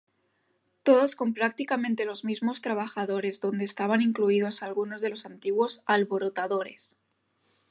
Todos con prácticamente los mismos trabajadores donde estaban incluidos algunos de los antiguos alborotadores.